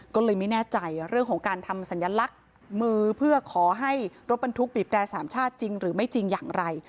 ก็เลยไม่แน่ใจเรื่องของการทำสัญลักษณ์มือเพื่อขอให้รถบรรทุกบีบแร่สามชาติจริงหรือไม่จริงอย่างไร